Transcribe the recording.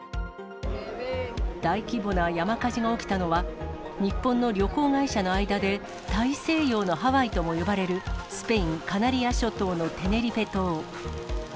大規模な山火事が起きたのは、日本の旅行会社の間で大西洋のハワイとも呼ばれるスペイン・カナリア諸島のテネリフェ島。